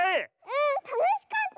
うんたのしかった！